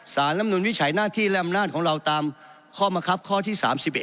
ลำนุนวิจัยหน้าที่และอำนาจของเราตามข้อมะครับข้อที่๓๑